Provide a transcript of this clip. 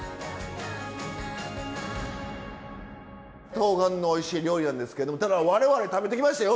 とうがんのおいしい料理なんですけどもただ我々食べてきましたよ。